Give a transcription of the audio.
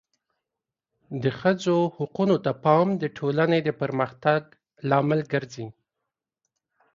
د ښځو حقونو ته پام د ټولنې د پرمختګ لامل ګرځي.